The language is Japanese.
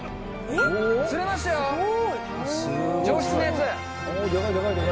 釣れましたよ、上質なやつ。